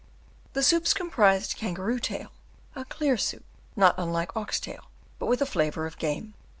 The soups comprised kangaroo tail a clear soup not unlike ox tail, but with a flavour of game.